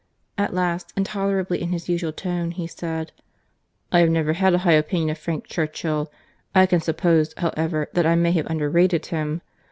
At last, and tolerably in his usual tone, he said, "I have never had a high opinion of Frank Churchill.—I can suppose, however, that I may have underrated him.